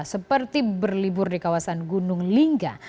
seperti berlibur di kawasan gunung lingga